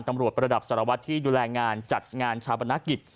ตำรวจประดับสรวจที่ดูแลงานจัดงานชาวบนักกิจ